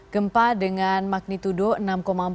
gempa dengan magnitudo enam empat